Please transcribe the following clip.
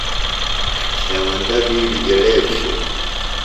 ہیوندہ بِیڈیۡ جڑے بِھلِم۔